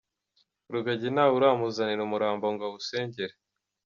Rugagi nta wuramuzanira umurambo ngo awusengere.